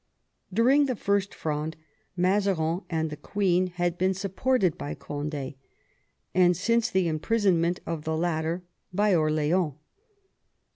During the First Fronde Mazarin and the queen had been supported by Cond^, and, since the imprisonment of the latter, by Orleans.